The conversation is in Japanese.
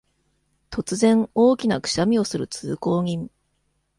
突然、大きなくしゃみをする通行人